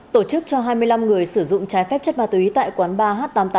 tổ chức cho hai mươi năm người sử dụng trái phép chất ma túy tại quán ba h tám mươi tám